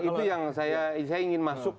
itu yang saya ingin masuk